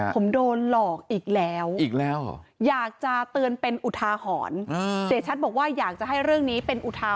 คุณยังขายหนอกล้วยอยู่เนอะ